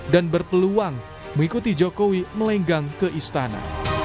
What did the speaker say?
dan berpeluang mengikuti jokowi melenggang ke istana